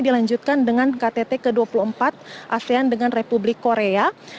dilanjutkan dengan ktt ke dua puluh empat asean dengan republik korea